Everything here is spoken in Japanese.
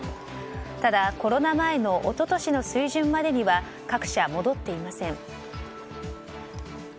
ただ、コロナ前の一昨年の水準までには各社、戻っていません。